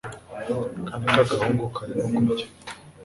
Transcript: akana k'agahungu karimo kurya